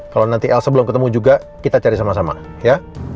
kalau nanti l sebelum ketemu juga kita cari sama sama ya